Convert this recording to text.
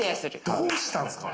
どうしたんすか？